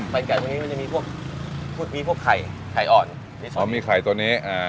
ไก่แก่ตัวนี้มันจะมีพวกมีพวกไข่ไข่อ่อนมีไข่ตัวนี้อ่า